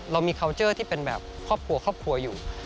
เรามีคาวเจอร์ที่เป็นแบบครอบครัวอยู่